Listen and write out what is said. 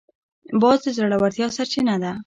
باز د زړورتیا سرچینه ده